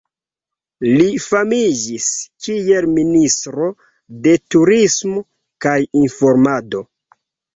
Li famiĝis kiel ministro de Turismo kaj Informado.